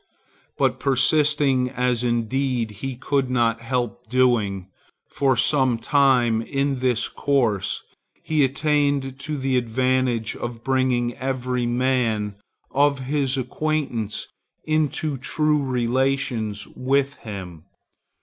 But persisting—as indeed he could not help doing—for some time in this course, he attained to the advantage of bringing every man of his acquaintance into true relations with him.